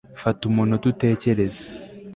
Fata umunota utekereze